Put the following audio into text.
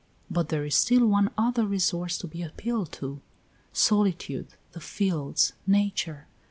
But there is still one other resource to be appealed to solitude, the fields, nature.